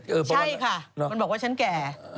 ใช่ค่ะมันบอกว่าฉันแก่